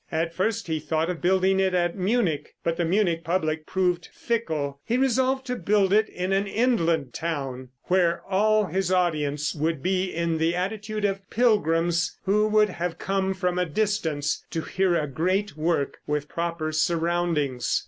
At first he thought of building it at Munich, but the Munich public proving fickle, he resolved to build it in an inland town, where all his audience would be in the attitude of pilgrims, who would have come from a distance to hear a great work with proper surroundings.